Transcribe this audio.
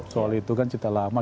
soal itu kan kita lama